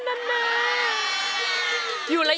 รองได้ให้ลาด